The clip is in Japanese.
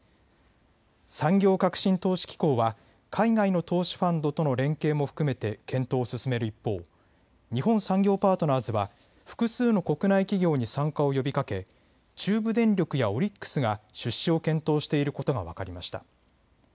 産業革新投資機構は海外の投資ファンドとの連携も含めて検討を進める一方、日本産業パートナーズは複数の国内企業に参加を呼びかけ中部電力やオリックスが出資を検討していることが分かりました。